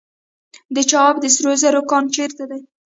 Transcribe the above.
د چاه اب د سرو زرو کان چیرته دی؟